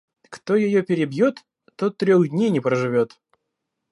Кто ее перебьет, тот трех дней не проживет.